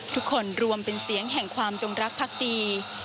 รวมเป็นเสียงแห่งความจงรักพักดี